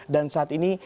dan saat ini